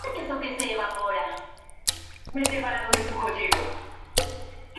Nació en Detroit, Míchigan, y su familia se trasladó a St.